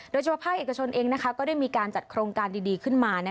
โดยเฉพาะภาคเอกชนเองก็ได้มีการจัดโครงการดีขึ้นมา